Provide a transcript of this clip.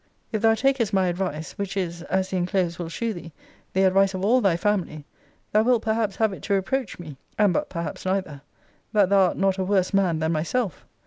If thou takest my advice, which is (as the enclosed will shew thee) the advice of all thy family, thou wilt perhaps have it to reproach me (and but perhaps neither) that thou art not a worse man than myself.